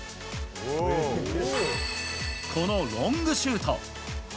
このロングシュート。